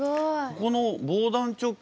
この防弾チョッキ